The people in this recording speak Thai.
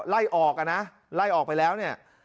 ไล่ออกอ่ะนะไล่ออกไปแล้วเนี่ย